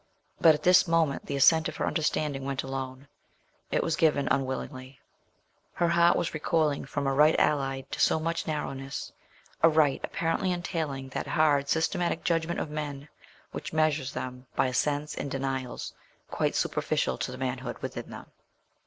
But at this moment the assent of her understanding went alone; it was given unwillingly. Her heart was recoiling from a right allied to so much narrowness; a right apparently entailing that hard systematic judgment of men which measures them by assents and denials quite superficial to the manhood within them.